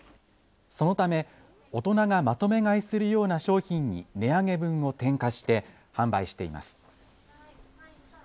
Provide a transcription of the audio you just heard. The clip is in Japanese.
そのため大人がまとめ買いするような商品に値上げ分を転嫁して販売しています。